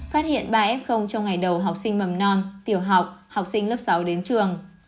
phát hiện ba f trong ngày đầu học sinh mầm non tiểu học học sinh lớp sáu đến trường